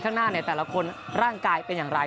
ข้างหน้าแต่ละคนร่างกายเป็นอย่างไร